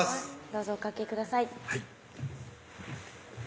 どうぞおかけください